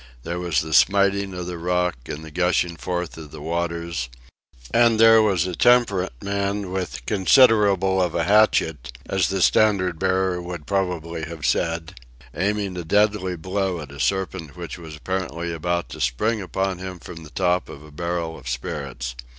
There was the smiting of the rock, and the gushing forth of the waters; and there was a temperate man with 'considerable of a hatchet' (as the standard bearer would probably have said), aiming a deadly blow at a serpent which was apparently about to spring upon him from the top of a barrel of spirits.